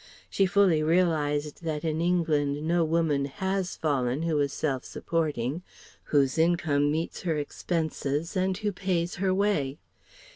She fully realized that in England no woman has fallen who is self supporting, whose income meets her expenses and who pays her way.